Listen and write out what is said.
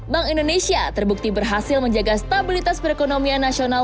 bank indonesia terbukti berhasil menjaga stabilitas perekonomian nasional